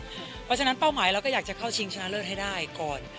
เพราะฉะนั้นเป้าหมายเราก็อยากจะเข้าชิงชนะเลิศให้ได้ก่อน